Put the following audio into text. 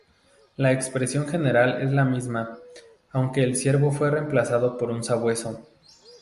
La expresión general es la misma, aunque el ciervo fue reemplazado por un sabueso.